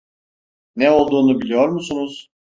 Ne olduğunu biliyor musunuz?